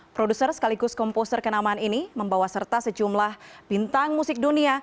produser sekaligus komposer kenamaan ini membawa serta sejumlah bintang musik dunia